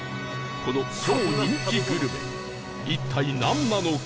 この超人気グルメ一体なんなのか？